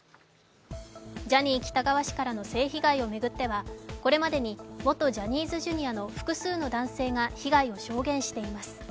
ジャニー喜多川氏からの性被害を巡ってはこれまでに元ジャニーズＪｒ．の複数の男性が被害を証言しています。